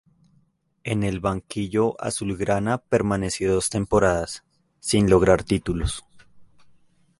En el banquillo azulgrana permaneció dos temporadas, sin lograr títulos.